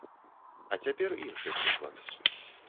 А цяпер іншы прыклад.